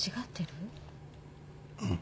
うん。